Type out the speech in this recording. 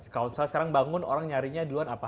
kalau misalnya sekarang bangun orang nyarinya duluan apa